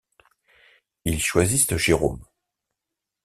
Ils choisissent Jérôme.